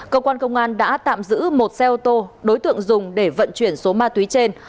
cơ quan công an đã tạm giữ một xe ô tô đối tượng dùng để vận chuyển số ma túy trên